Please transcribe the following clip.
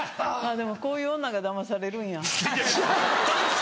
でもこういう女がだまされるんや。